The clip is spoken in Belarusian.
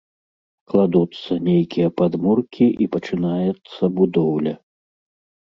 Кладуцца нейкія падмуркі і пачынаецца будоўля.